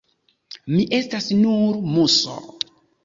Mi estas nur muso.